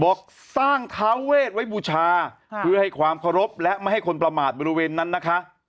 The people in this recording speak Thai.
บอกสร้างท้าเวทไว้บูชาเพื่อให้ความเคารพและไม่ให้คนประมาทบริเวณนั้นนะคะ